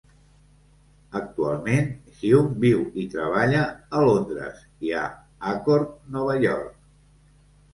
Actualment, Hume viu i treballa a Londres i a Accord, Nova York.